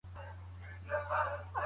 ستا پرېشاني په اصل کي زموږ پرېشاني ده.